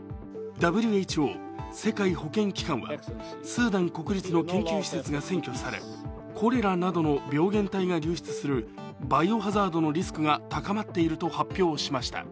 ＷＨＯ＝世界保健機関はスーダン国立の研究施設が占拠されコレラなどの病原体が流出するバイオ・ハザードのリスクが高まっていると発表しました。